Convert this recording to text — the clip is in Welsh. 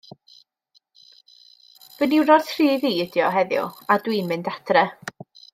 Fy niwrnod rhydd i ydi o heddiw a dw i'n mynd adre.